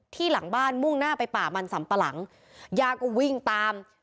หลังบ้านมุ่งหน้าไปป่ามันสำปะหลังย่าก็วิ่งตาม